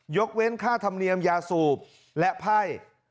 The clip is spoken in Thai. ยกเว้นค่าธรรมเนียมยาสูบและไพ่